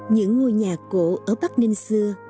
những ngôi nhà cổ ở bắc ninh xưa